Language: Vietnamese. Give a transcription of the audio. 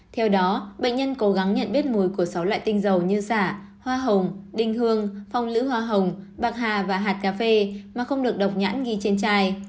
theo đó bệnh nhân cố gắng nhận biết mùi của sáu loại tinh dầu như giả hoa hồng đinh hương phong lữ hoa hồng bạc hà và hạt cà phê mà không được độc nhãn ghi trên chai